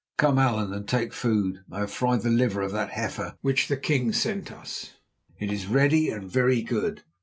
Come, Allan, and take food. I have fried the liver of that heifer which the king sent us; it is ready and very good.